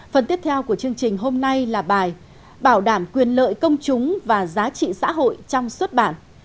phần tiếp theo của chương trình hôm nay là bài bảo đảm quyền lợi công chúng và giá trị xã hội trong xuất bản